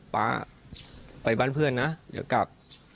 ป๊าไปบ้านเพื่อนนะเดี๋ยวกลับ